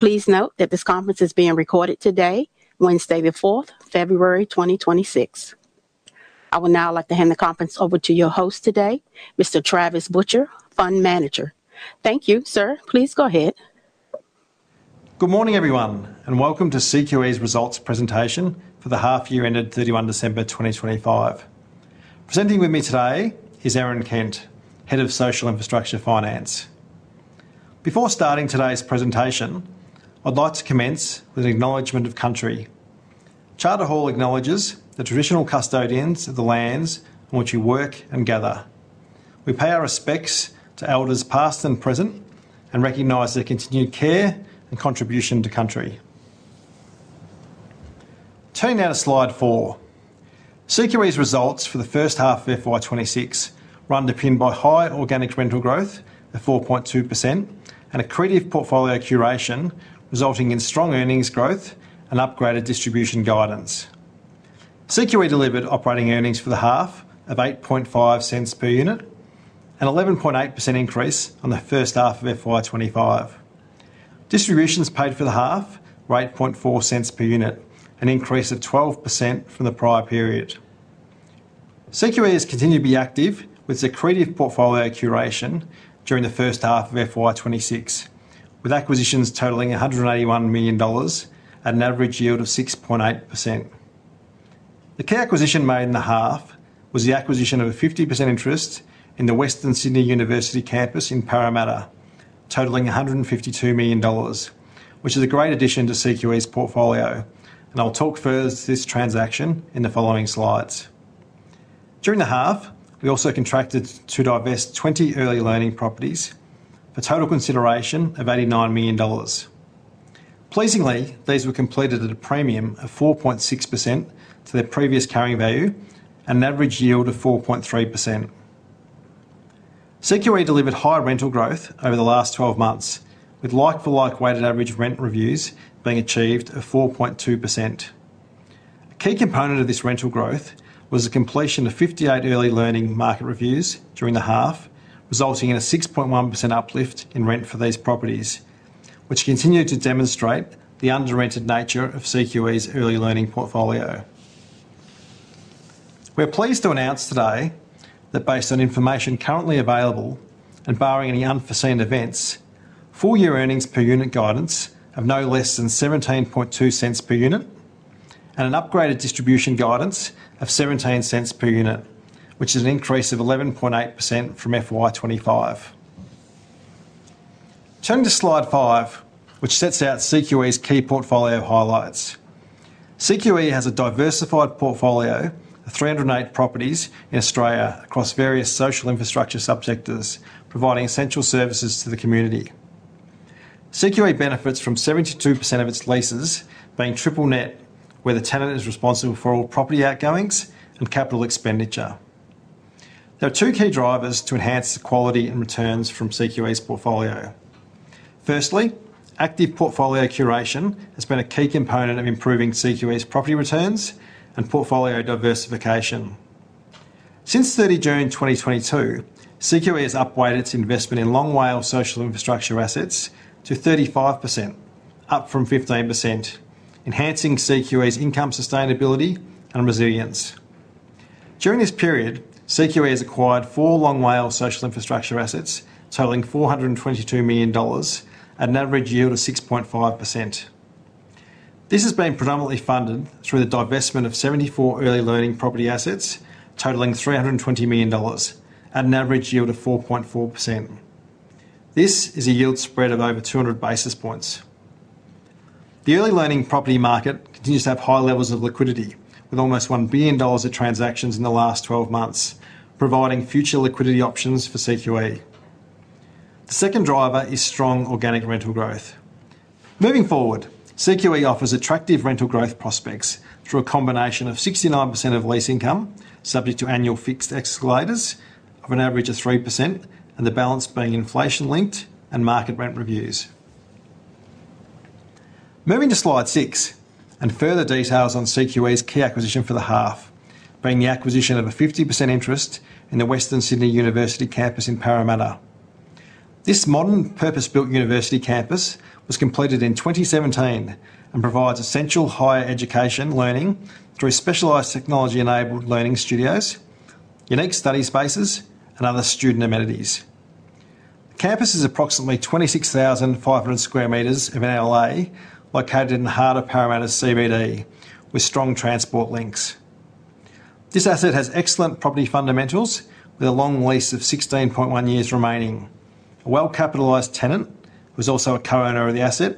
Please note that this conference is being recorded today, Wednesday the 4th, February 2026. I would now like to hand the conference over to your host today, Mr. Travis Butcher, Fund Manager. Thank you, sir. Please go ahead. Good morning, everyone, and welcome to CQE's results presentation for the half-year ended 31 December 2025. Presenting with me today is Erin Kent, Head of Social Infrastructure Finance. Before starting today's presentation, I'd like to commence with an acknowledgment of country. Charter Hall acknowledges the traditional custodians of the lands on which we work and gather. We pay our respects to elders past and present and recognize their continued care and contribution to country. Turning now to slide four. CQE's results for the first half of FY 2026 were underpinned by high organic rental growth of 4.2% and accretive portfolio curation resulting in strong earnings growth and upgraded distribution guidance. CQE delivered operating earnings for the half of 0.085 per unit and an 11.8% increase on the first half of FY 2025. Distributions paid for the half were 0.084 per unit, an increase of 12% from the prior period. CQE has continued to be active with its accretive portfolio curation during the first half of FY 2026, with acquisitions totaling 181 million dollars at an average yield of 6.8%. The key acquisition made in the half was the acquisition of a 50% interest in the Western Sydney University campus in Parramatta, totaling 152 million dollars, which is a great addition to CQE's portfolio, and I'll talk further to this transaction in the following slides. During the half, we also contracted to divest 20 early learning properties for a total consideration of 89 million dollars. Pleasingly, these were completed at a premium of 4.6% to their previous carrying value and an average yield of 4.3%. CQE delivered high rental growth over the last 12 months, with like-for-like weighted average rent reviews being achieved of 4.2%. A key component of this rental growth was the completion of 58 early learning market reviews during the half, resulting in a 6.1% uplift in rent for these properties, which continued to demonstrate the under-rented nature of CQE's early learning portfolio. We're pleased to announce today that, based on information currently available and barring any unforeseen events, full-year earnings per unit guidance have no less than 0.172 per unit and an upgraded distribution guidance of 0.17 per unit, which is an increase of 11.8% from FY 2025. Turning to slide five, which sets out CQE's key portfolio highlights. CQE has a diversified portfolio of 308 properties in Australia across various social infrastructure subsectors, providing essential services to the community. CQE benefits from 72% of its leases being triple net, where the tenant is responsible for all property outgoings and capital expenditure. There are two key drivers to enhance the quality and returns from CQE's portfolio. Firstly, active portfolio curation has been a key component of improving CQE's property returns and portfolio diversification. Since 30 June 2022, CQE has upweighted its investment in long WALE social infrastructure assets to 35%, up from 15%, enhancing CQE's income sustainability and resilience. During this period, CQE has acquired four long WALE social infrastructure assets, totaling 422 million dollars, at an average yield of 6.5%. This has been predominantly funded through the divestment of 74 early learning property assets, totaling 320 million dollars, at an average yield of 4.4%. This is a yield spread of over 200 basis points. The early learning property market continues to have high levels of liquidity, with almost 1 billion dollars of transactions in the last 12 months, providing future liquidity options for CQE. The second driver is strong organic rental growth. Moving forward, CQE offers attractive rental growth prospects through a combination of 69% of lease income subject to annual fixed escalators of an average of 3% and the balance being inflation-linked and market rent reviews. Moving slide six and further details on CQE's key acquisition for the half, being the acquisition of a 50% interest in the Western Sydney University campus in Parramatta. This modern purpose-built university campus was completed in 2017 and provides essential higher education learning through specialized technology-enabled learning studios, unique study spaces, and other student amenities. The campus is approximately 26,500 square meters of NLA located in the heart of Parramatta's CBD, with strong transport links. This asset has excellent property fundamentals, with a long lease of 16.1 years remaining, a well-capitalised tenant who's also a co-owner of the asset,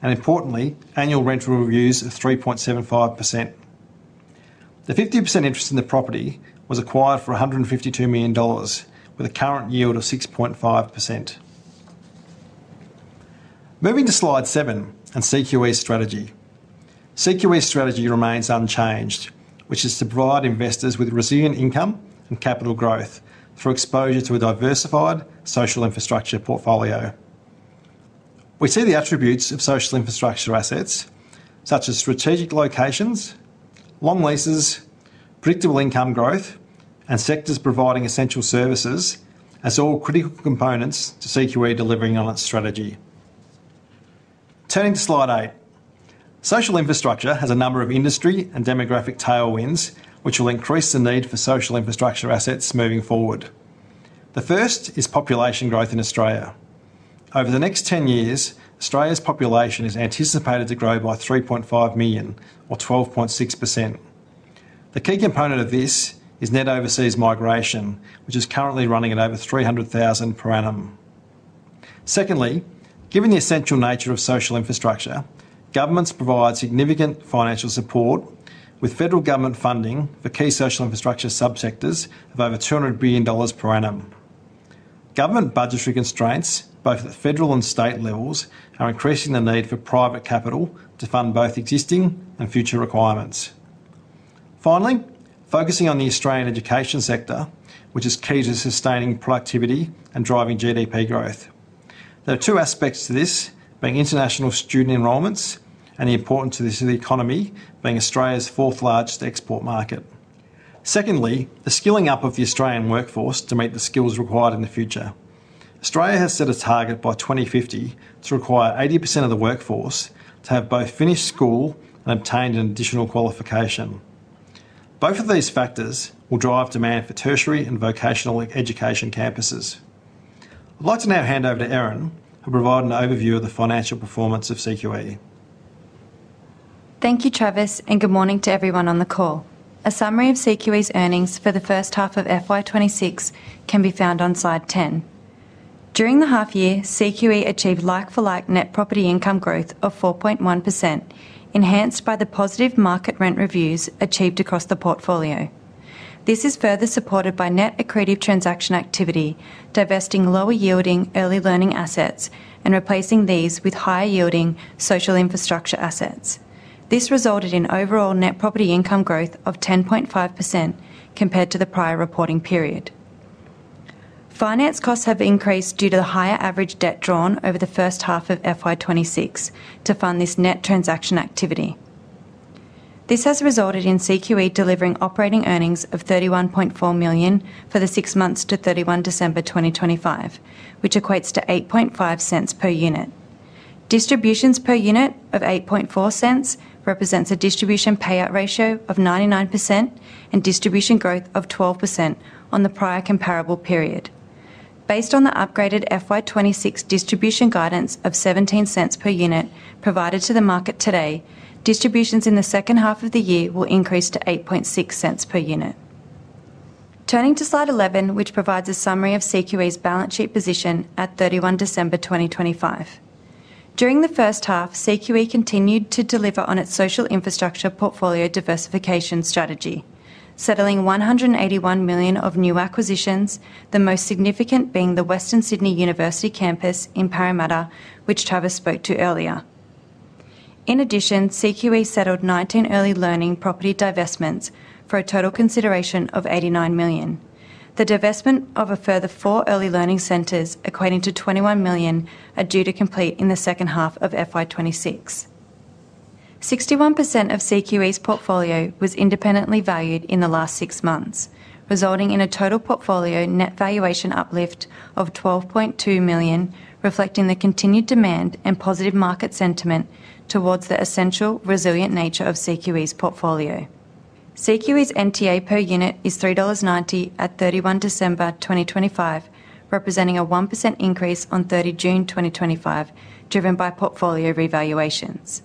and importantly, annual rental reviews of 3.75%. The 50% interest in the property was acquired for 152 million dollars, with a current yield of 6.5%. Moving to slide seven and CQE's strategy. CQE's strategy remains unchanged, which is to provide investors with resilient income and capital growth through exposure to a diversified social infrastructure portfolio. We see the attributes of social infrastructure assets such as strategic locations, long leases, predictable income growth, and sectors providing essential services as all critical components to CQE delivering on its strategy. Turning to slide eight. Social infrastructure has a number of industry and demographic tailwinds, which will increase the need for social infrastructure assets moving forward. The first is population growth in Australia. Over the next 10 years, Australia's population is anticipated to grow by 3.5 million, or 12.6%. The key component of this is net overseas migration, which is currently running at over 300,000 per annum. Secondly, given the essential nature of social infrastructure, governments provide significant financial support with federal government funding for key social infrastructure subsectors of over 200 billion dollars per annum. Government budgetary constraints, both at federal and state levels, are increasing the need for private capital to fund both existing and future requirements. Finally, focusing on the Australian education sector, which is key to sustaining productivity and driving GDP growth. There are two aspects to this, being international student enrollments and the importance of this to the economy, being Australia's fourth-largest export market. Secondly, the skilling up of the Australian workforce to meet the skills required in the future. Australia has set a target by 2050 to require 80% of the workforce to have both finished school and obtained an additional qualification. Both of these factors will drive demand for tertiary and vocational education campuses. I'd like to now hand over to Erin, who provided an overview of the financial performance of CQE. Thank you, Travis, and good morning to everyone on the call. A summary of CQE's earnings for the first half of FY 2026 can be found on slide 10. During the half-year, CQE achieved like-for-like net property income growth of 4.1%, enhanced by the positive market rent reviews achieved across the portfolio. This is further supported by net accretive transaction activity, divesting lower-yielding early learning assets and replacing these with higher-yielding social infrastructure assets. This resulted in overall net property income growth of 10.5% compared to the prior reporting period. Finance costs have increased due to the higher average debt drawn over the first half of FY 2026 to fund this net transaction activity. This has resulted in CQE delivering operating earnings of 31.4 million for the six months to 31 December 2025, which equates to 0.085 per unit. Distributions per unit of 0.084 represents a distribution payout ratio of 99% and distribution growth of 12% on the prior comparable period. Based on the upgraded FY 2026 distribution guidance of 0.17 per unit provided to the market today, distributions in the second half of the year will increase to 0.086 per unit. Turning to slide 11, which provides a summary of CQE's balance sheet position at 31 December 2025. During the first half, CQE continued to deliver on its social infrastructure portfolio diversification strategy, settling 181 million of new acquisitions, the most significant being the Western Sydney University campus in Parramatta, which Travis spoke to earlier. In addition, CQE settled 19 early learning property divestments for a total consideration of 89 million, the divestment of a further four early learning centers equating to 21 million are due to complete in the second half of FY 2026. 61% of CQE's portfolio was independently valued in the last six months, resulting in a total portfolio net valuation uplift of 12.2 million, reflecting the continued demand and positive market sentiment towards the essential resilient nature of CQE's portfolio. CQE's NTA per unit is 3.90 dollars at 31 December 2025, representing a 1% increase on 30 June 2025, driven by portfolio revaluations.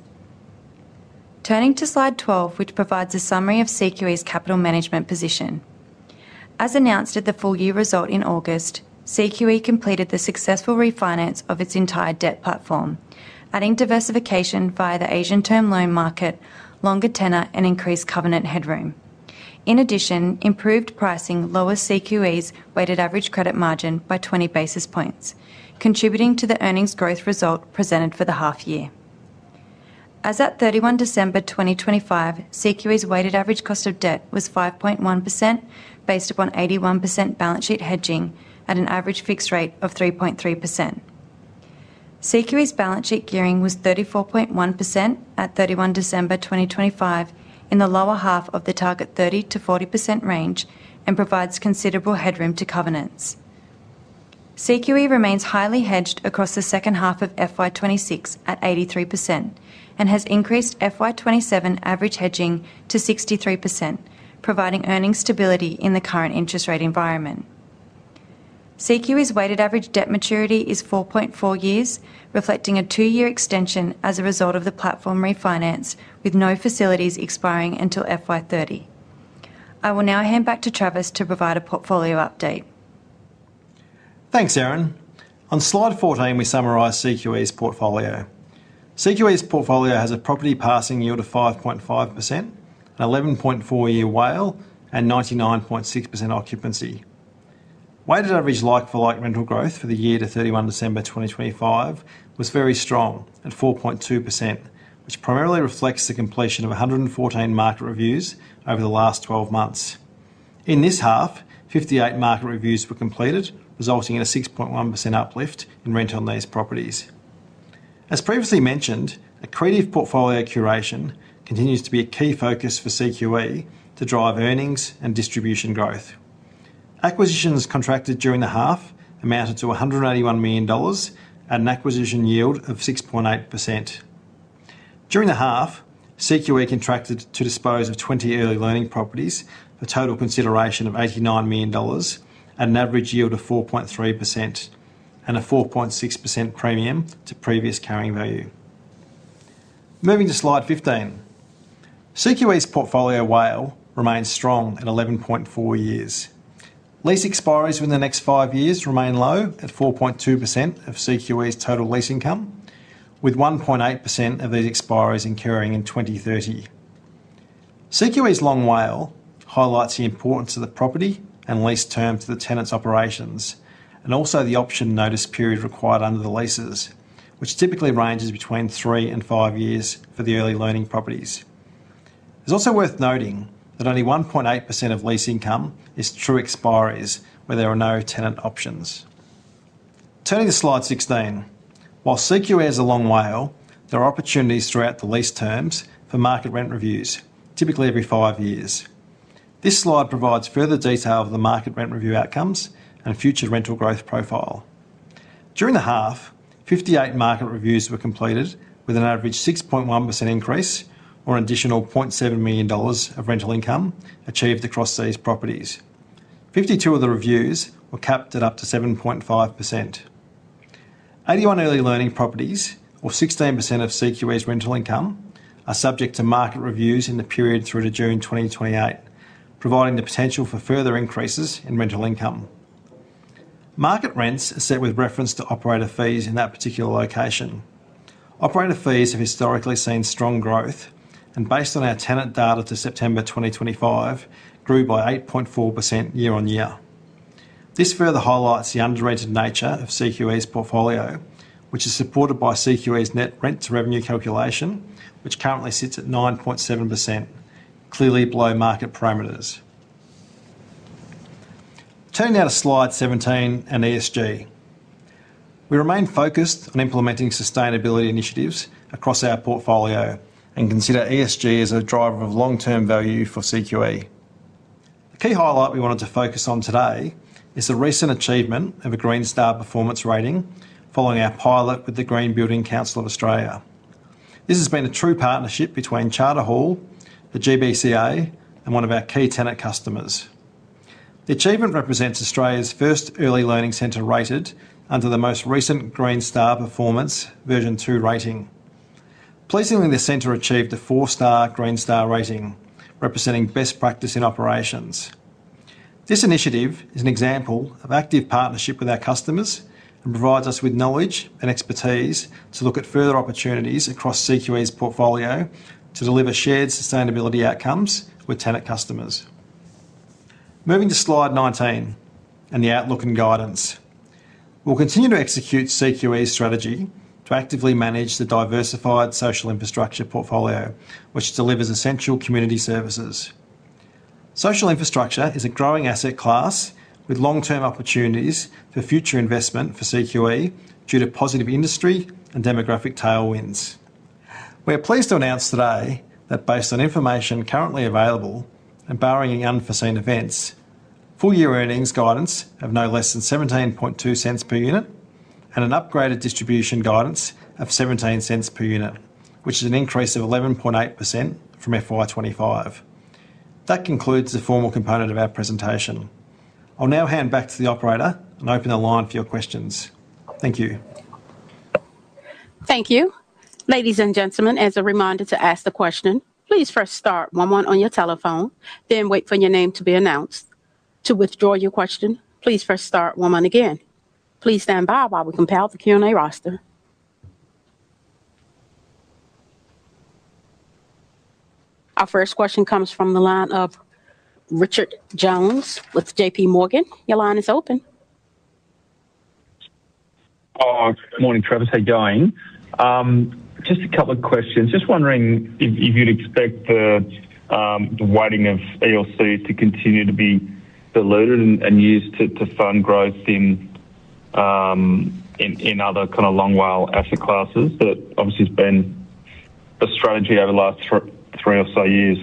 Turning to slide 12, which provides a summary of CQE's capital management position. As announced at the full-year result in August, CQE completed the successful refinance of its entire debt platform, adding diversification via the Asian term loan market, longer tenor, and increased covenant headroom. In addition, improved pricing lowers CQE's weighted average credit margin by 20 basis points, contributing to the earnings growth result presented for the half-year. As at 31 December 2025, CQE's weighted average cost of debt was 5.1% based upon 81% balance sheet hedging at an average fixed rate of 3.3%. CQE's balance sheet gearing was 34.1% at 31 December 2025 in the lower half of the target 30%-40% range and provides considerable headroom to covenants. CQE remains highly hedged across the second half of FY 2026 at 83% and has increased FY 2027 average hedging to 63%, providing earnings stability in the current interest rate environment. CQE's weighted average debt maturity is 4.4 years, reflecting a 2-year extension as a result of the platform refinance, with no facilities expiring until FY30. I will now hand back to Travis to provide a portfolio update. Thanks, Erin. On slide 14, we summarize CQE's portfolio. CQE's portfolio has a property passing yield of 5.5%, an 11.4-year WALE, and 99.6% occupancy. Weighted average like-for-like rental growth for the year to 31 December 2025 was very strong at 4.2%, which primarily reflects the completion of 114 market reviews over the last 12 months. In this half, 58 market reviews were completed, resulting in a 6.1% uplift in rent on these properties. As previously mentioned, accretive portfolio curation continues to be a key focus for CQE to drive earnings and distribution growth. Acquisitions contracted during the half amounted to 181 million dollars and an acquisition yield of 6.8%. During the half, CQE contracted to dispose of 20 early learning properties for a total consideration of 89 million dollars and an average yield of 4.3% and a 4.6% premium to previous carrying value. Moving to slide 15. CQE's portfolio WALE remains strong at 11.4 years. Lease expiries within the next five years remain low at 4.2% of CQE's total lease income, with 1.8% of these expiries incurring in 2030. CQE's long WALE highlights the importance of the property and lease terms to the tenant's operations and also the option notice period required under the leases, which typically ranges between three and five years for the early learning properties. It's also worth noting that only 1.8% of lease income is true expiries where there are no tenant options. Turning to slide 16. While CQE is a long WALE, there are opportunities throughout the lease terms for market rent reviews, typically every five years. This slide provides further detail of the market rent review outcomes and future rental growth profile. During the half, 58 market reviews were completed with an average 6.1% increase or an additional 0.7 million dollars of rental income achieved across these properties. 52 of the reviews were capped at up to 7.5%. 81 early learning properties, or 16% of CQE's rental income, are subject to market reviews in the period through to June 2028, providing the potential for further increases in rental income. Market rents are set with reference to operator fees in that particular location. Operator fees have historically seen strong growth and, based on our tenant data to September 2025, grew by 8.4% year on year. This further highlights the under-rented nature of CQE's portfolio, which is supported by CQE's net rent-to-revenue calculation, which currently sits at 9.7%, clearly below market parameters. Turning now to slide 17 and ESG. We remain focused on implementing sustainability initiatives across our portfolio and consider ESG as a driver of long-term value for CQE. The key highlight we wanted to focus on today is the recent achievement of a Green Star Performance rating following our pilot with the Green Building Council of Australia. This has been a true partnership between Charter Hall, the GBCA, and one of our key tenant customers. The achievement represents Australia's first early learning centre rated under the most recent Green Star Performance version two rating. Pleasingly, the centre achieved a four-star Green Star rating, representing best practice in operations. This initiative is an example of active partnership with our customers and provides us with knowledge and expertise to look at further opportunities across CQE's portfolio to deliver shared sustainability outcomes with tenant customers. Moving to slide 19. The outlook and guidance. We'll continue to execute CQE's strategy to actively manage the diversified social infrastructure portfolio, which delivers essential community services. Social infrastructure is a growing asset class with long-term opportunities for future investment for CQE due to positive industry and demographic tailwinds. We are pleased to announce today that, based on information currently available and barring any unforeseen events, full-year earnings guidance of no less than 0.172 per unit and an upgraded distribution guidance of 0.17 per unit, which is an increase of 11.8% from FY 2025. That concludes the formal component of our presentation. I'll now hand back to the operator and open the line for your questions. Thank you. Thank you. Ladies and gentlemen, as a reminder to ask the question, please first star one-one on your telephone, then wait for your name to be announced. To withdraw your question, please first start one-one again. Please stand by while we compile the Q&A roster. Our first question comes from the line of Richard Jones with JP Morgan. Your line is open. Good morning, Travis. How are you going? Just a couple of questions. Just wondering if you'd expect the weighting of ELC to continue to be diluted and used to fund growth in other kind of long WALE asset classes that obviously has been a strategy over the last three or so years.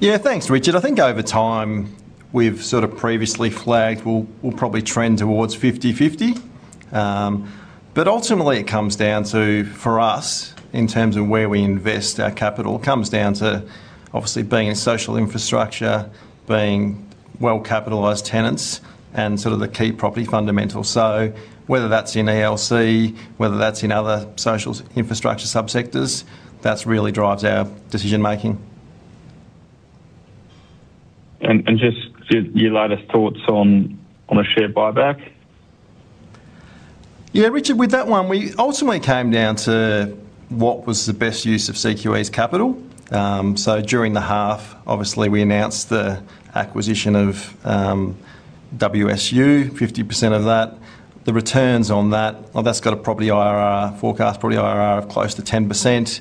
Yeah, thanks, Richard. I think over time, we've sort of previously flagged we'll probably trend towards 50/50. But ultimately, it comes down to, for us, in terms of where we invest our capital, it comes down to obviously being in social infrastructure, being well-capitalized tenants, and sort of the key property fundamentals. So whether that's in ELC, whether that's in other social infrastructure subsectors, that's really drives our decision-making. Just your latest thoughts on a share buyback? Yeah, Richard, with that one, we ultimately came down to what was the best use of CQE's capital. So during the half, obviously, we announced the acquisition of WSU, 50% of that. The returns on that, well, that's got a property IRR, forecast property IRR of close to 10%,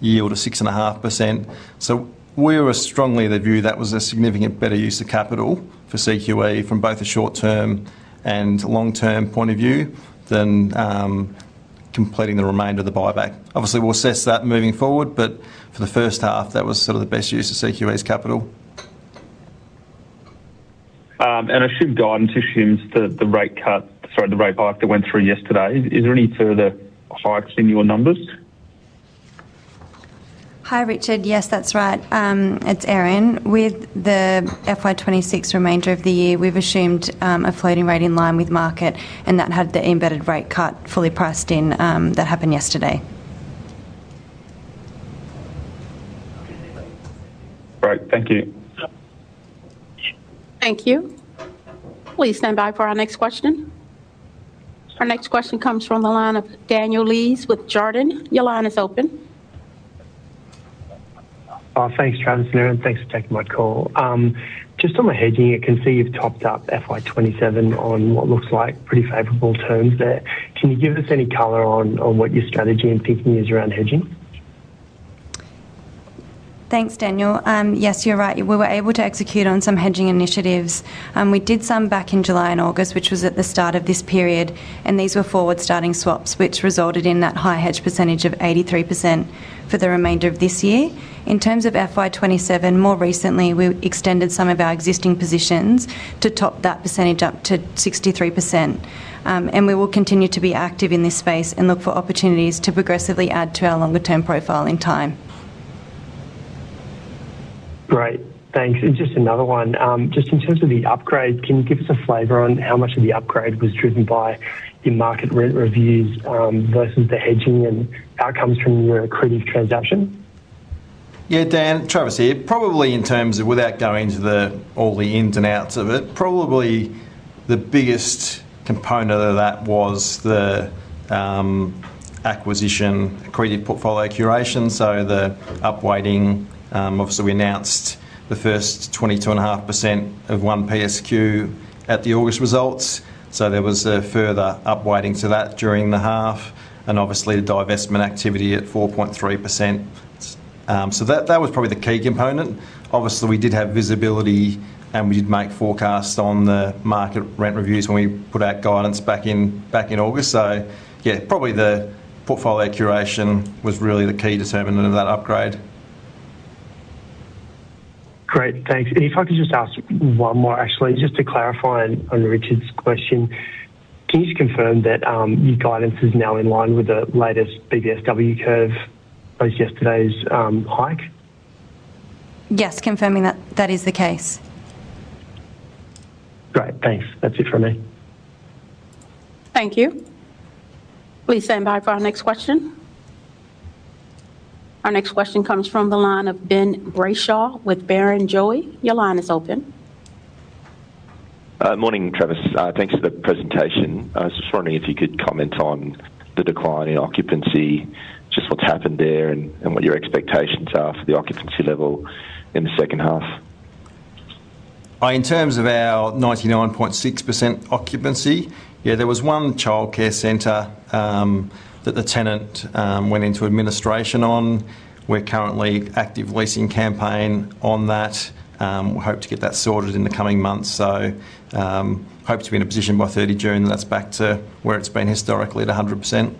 yield of 6.5%. So we were strongly of the view that was a significant better use of capital for CQE from both a short-term and long-term point of view than completing the remainder of the buyback. Obviously, we'll assess that moving forward, but for the first half, that was sort of the best use of CQE's capital. I assume guidance assumes that the rate cut sorry, the rate hike that went through yesterday, is there any further hikes in your numbers? Hi, Richard. Yes, that's right. It's Erin. With the FY 2026 remainder of the year, we've assumed a floating rate in line with market, and that had the embedded rate cut fully priced in that happened yesterday. Great. Thank you. Thank you. Please stand by for our next question. Our next question comes from the line of Daniel Lees with Jarden. Your line is open. Thanks, Travis and Erin. Thanks for taking my call. Just on the hedging, I can see you've topped up FY 2027 on what looks like pretty favorable terms there. Can you give us any color on what your strategy and thinking is around hedging? Thanks, Daniel. Yes, you're right. We were able to execute on some hedging initiatives. We did some back in July and August, which was at the start of this period, and these were forward starting swaps, which resulted in that high hedge percentage of 83% for the remainder of this year. In terms of FY 2027, more recently, we extended some of our existing positions to top that percentage up to 63%. We will continue to be active in this space and look for opportunities to progressively add to our longer-term profile in time. Great. Thanks. And just another one. Just in terms of the upgrade, can you give us a flavor on how much of the upgrade was driven by your market rent reviews versus the hedging and outcomes from your accretive transaction? Yeah, Dan. Travis here. Probably in terms of without going into all the ins and outs of it, probably the biggest component of that was the acquisition accretive portfolio curation. So the upweighting, obviously, we announced the first 22.5% of 1 PSQ at the August results. So there was further upweighting to that during the half and obviously the divestment activity at 4.3%. So that was probably the key component. Obviously, we did have visibility, and we did make forecasts on the market rent reviews when we put out guidance back in August. So yeah, probably the portfolio curation was really the key determinant of that upgrade. Great. Thanks. If I could just ask one more, actually, just to clarify on Richard's question. Can you just confirm that your guidance is now in line with the latest BBSW curve, post-yesterday's hike? Yes, confirming that that is the case. Great. Thanks. That's it from me. Thank you. Please stand by for our next question. Our next question comes from the line of Ben Brayshaw with Barrenjoey. Your line is open. Morning, Travis. Thanks for the presentation. I was just wondering if you could comment on the decline in occupancy, just what's happened there, and what your expectations are for the occupancy level in the second half. In terms of our 99.6% occupancy, yeah, there was one childcare center that the tenant went into administration on. We're currently active leasing campaign on that. We hope to get that sorted in the coming months. So hope to be in a position by 30 June that that's back to where it's been historically at 100%.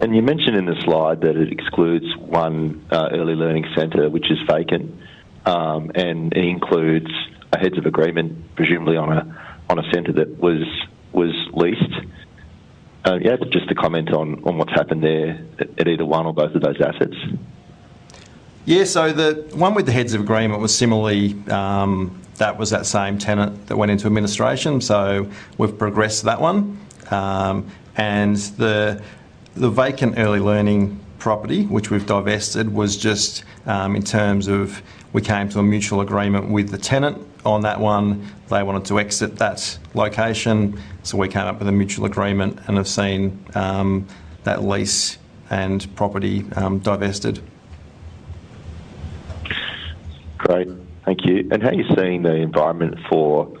You mentioned in the slide that it excludes one early learning center, which is vacant, and it includes a heads of agreement, presumably, on a center that was leased. Yeah, just a comment on what's happened there at either one or both of those assets. Yeah. So the one with the heads of agreement was similarly that was that same tenant that went into administration. So we've progressed that one. And the vacant early learning property, which we've divested, was just in terms of we came to a mutual agreement with the tenant on that one. They wanted to exit that location. So we came up with a mutual agreement and have seen that lease and property divested. Great. Thank you. How are you seeing the environment for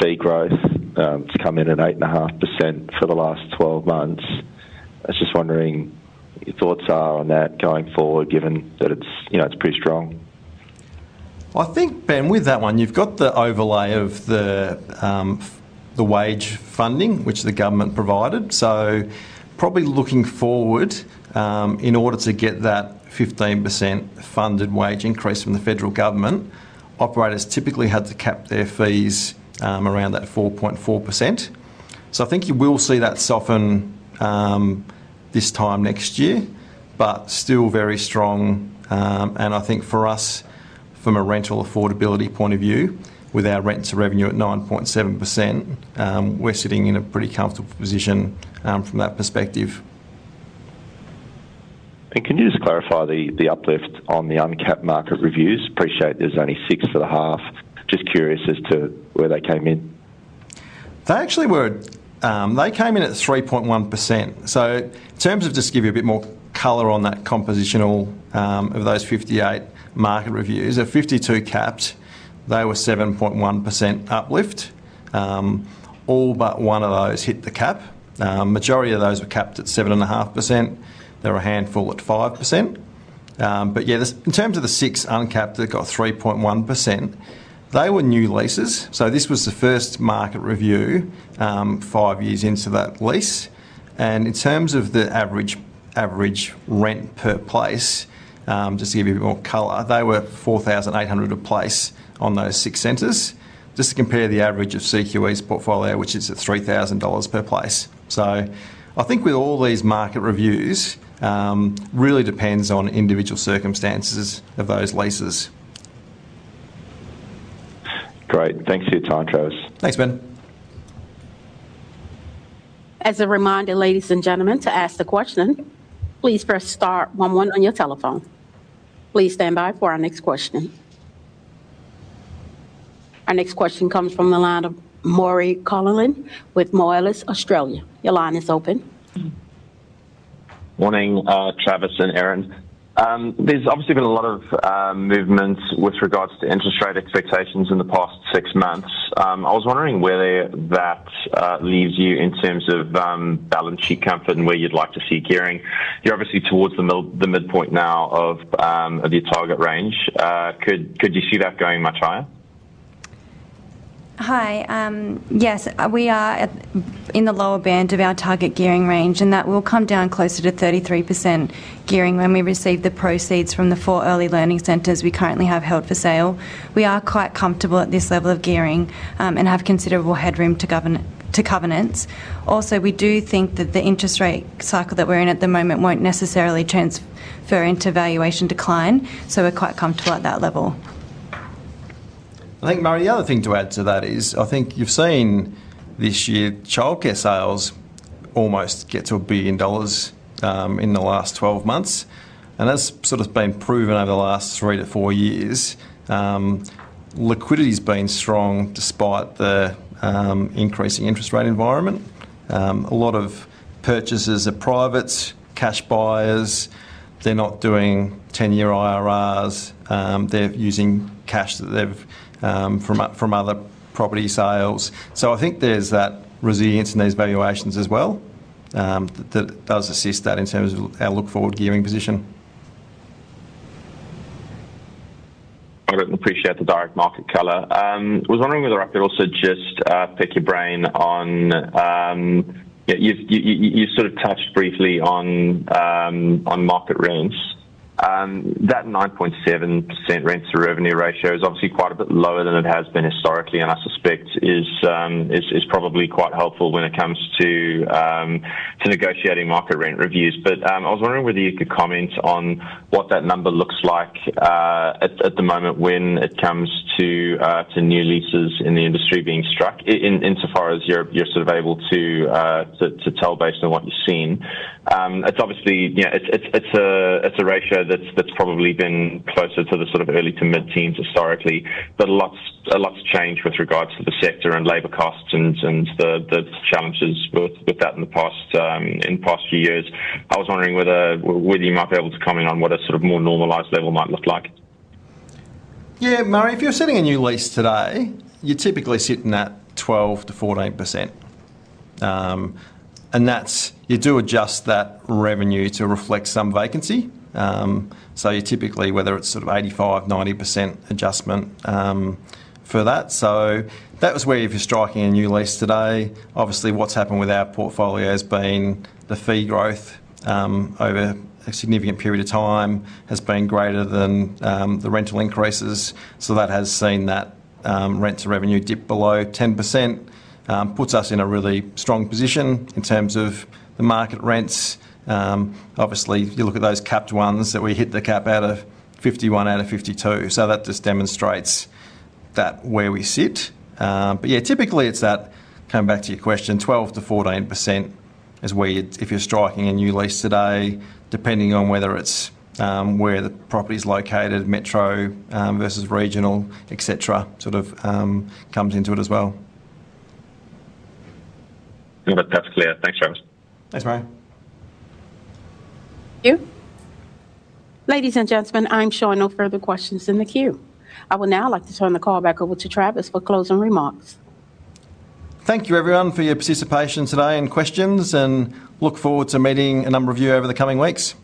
fee growth to come in at 8.5% for the last 12 months? I was just wondering your thoughts are on that going forward, given that it's pretty strong? Well, I think, Ben, with that one, you've got the overlay of the wage funding, which the government provided. So probably looking forward, in order to get that 15% funded wage increase from the federal government, operators typically had to cap their fees around that 4.4%. So I think you will see that soften this time next year, but still very strong. And I think for us, from a rental affordability point of view, with our rent-to-revenue at 9.7%, we're sitting in a pretty comfortable position from that perspective. Can you just clarify the uplift on the uncapped market reviews? Appreciate there's only six for the half. Just curious as to where they came in. They actually were. They came in at 3.1%. So in terms of just to give you a bit more color on that composition of those 58 market reviews, of the 52 capped, they were 7.1% uplift. All but one of those hit the cap. Majority of those were capped at 7.5%. There were a handful at 5%. But yeah, in terms of the six uncapped that got 3.1%, they were new leases. So this was the first market review five years into that lease. And in terms of the average rent per place, just to give you a bit more color, they were 4,800 a place on those six centers, just to compare the average of CQE's portfolio, which is at 3,000 dollars per place. So I think with all these market reviews, really depends on individual circumstances of those leases. Great. Thanks for your time, Travis. Thanks, Ben. As a reminder, ladies and gentlemen, to ask the question, please first start one-one on your telephone. Please stand by for our next question. Our next question comes from the line of Murray Connellan with Moelis Australia. Your line is open. Morning, Travis and Erin. There's obviously been a lot of movements with regards to interest rate expectations in the past six months. I was wondering whether that leaves you in terms of balance sheet comfort and where you'd like to see gearing. You're obviously towards the midpoint now of your target range. Could you see that going much higher? Hi. Yes, we are in the lower band of our target gearing range, and that will come down closer to 33% gearing when we receive the proceeds from the 4 early learning centers we currently have held for sale. We are quite comfortable at this level of gearing and have considerable headroom to covenants. Also, we do think that the interest rate cycle that we're in at the moment won't necessarily transfer into valuation decline, so we're quite comfortable at that level. I think, Murray, the other thing to add to that is I think you've seen this year childcare sales almost get to 1 billion dollars in the last 12 months. That's sort of been proven over the last three to four years. Liquidity's been strong despite the increasing interest rate environment. A lot of purchases are privates, cash buyers. They're not doing 10-year IRRs. They're using cash that they've from other property sales. I think there's that resilience in these valuations as well that does assist that in terms of our look-forward gearing position. I don't appreciate the direct market color. I was wondering whether I could also just pick your brain on you sort of touched briefly on market rents. That 9.7% rent-to-revenue ratio is obviously quite a bit lower than it has been historically, and I suspect is probably quite helpful when it comes to negotiating market rent reviews. But I was wondering whether you could comment on what that number looks like at the moment when it comes to new leases in the industry being struck, insofar as you're sort of able to tell based on what you've seen. It's obviously yeah, it's a ratio that's probably been closer to the sort of early to mid-teens historically, but lots changed with regards to the sector and labor costs and the challenges with that in the past few years. I was wondering whether you might be able to comment on what a sort of more normalized level might look like. Yeah. Murray, if you're sitting in new lease today, you're typically sitting at 12%-14%. And you do adjust that revenue to reflect some vacancy. So you're typically whether it's sort of 85%-90% adjustment for that. So that was where if you're striking a new lease today, obviously, what's happened with our portfolio has been the fee growth over a significant period of time has been greater than the rental increases. So that has seen that rent-to-revenue dip below 10%, puts us in a really strong position in terms of the market rents. Obviously, you look at those capped ones that we hit the cap out of 51 out of 52. So that just demonstrates where we sit. But yeah, typically, it's that, coming back to your question, 12%-14% is where you'd if you're striking a new lease today, depending on whether it's where the property's located, metro versus regional, etc., sort of comes into it as well. Yeah, that's clear. Thanks, Travis. Thanks, Murray. Thank you. Ladies and gentlemen, I'm sure there are no further questions in the queue. I would now like to turn the call back over to Travis for closing remarks. Thank you, everyone, for your participation today and questions, and look forward to meeting a number of you over the coming weeks. Thank you.